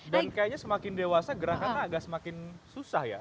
dan kayaknya semakin dewasa gerakan agak semakin susah ya